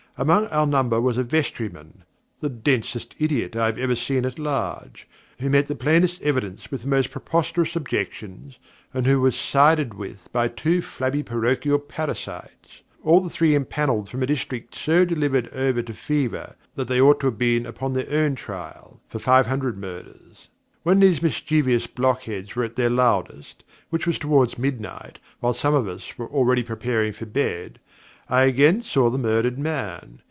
Among our number was a vestryman the densest idiot I have ever seen at large who met the plainest evidence with the most preposterous objections, and who was sided with by two flabby parochial parasites; all the three empanelled from a district so delivered over to Fever that they ought to have been upon their own trial, for five hundred Murders. When these mischievous blockheads were at their loudest, which was towards midnight while some of us were already preparing for bed, I again saw the murdered man.